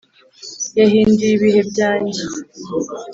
yahinduye ibihe byanjye